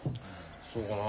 そうかな